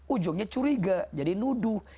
ujungnya curiga jadi nuduh